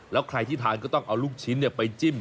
แล้วใครที่ทานก็ต้องเอาลูกชิ้นไปจิ้ม